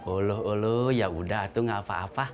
oloh oloh ya udah tuh gak apa apa